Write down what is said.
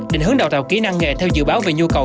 định hướng đào tạo kỹ năng nghề theo dự báo về nhu cầu